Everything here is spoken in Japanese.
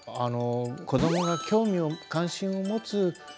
子どもが興味・関心を持つもの。